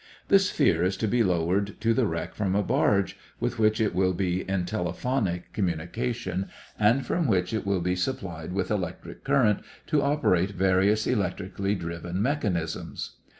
The sphere is to be lowered to the wreck from a barge, with which it will be in telephonic communication and from which it will be supplied with electric current to operate various electrically driven mechanisms.